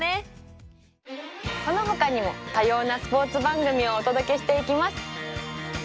このほかにも多様なスポーツ番組をお届けしていきます。